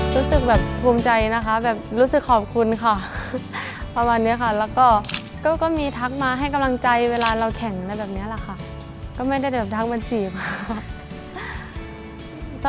รู้สึกแบบภูมิใจนะคะแบบรู้สึกขอบคุณค่ะประมาณนี้ค่ะแล้วก็ก็มีทักมาให้กำลังใจเวลาเราแข่งอะไรแบบนี้แหละค่ะก็ไม่ได้แบบทักมาจีบค่ะ